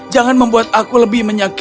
jangan membuat aku lebih menyakiti